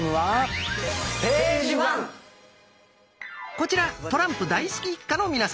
こちらトランプ大好き一家の皆さん。